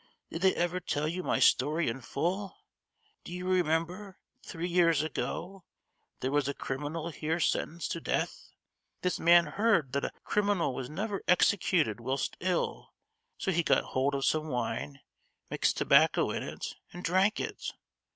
Did they ever tell you my story in full? Do you remember, three years ago, there was a criminal here sentenced to death? This man heard that a criminal was never executed whilst ill! so he got hold of some wine, mixed tobacco in it, and drank it.